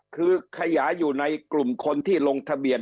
คือขยายอยู่ในกลุ่มคนที่ลงทะเบียน